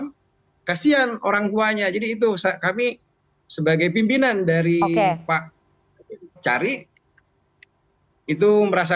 hai kasihan orangtuanya jadi itu saya kami sebagai pimpinan dari pak cari itu merasa